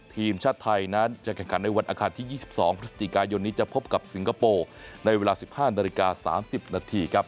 ทีมชาติไทยนั้นจะแข่งขันในวันอาคารที่๒๒พฤศจิกายนนี้จะพบกับสิงคโปร์ในเวลา๑๕นาฬิกา๓๐นาทีครับ